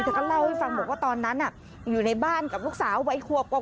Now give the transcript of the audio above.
ก็เล่าให้ฟังบอกว่าตอนนั้นอยู่ในบ้านกับลูกสาววัยควบกว่า